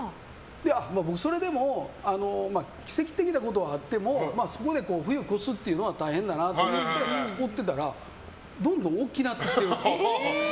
僕、それでも奇跡的なことはあってもそこで冬を越すのは大変だなと思って放っておいたらどんどん大きくなってきてると。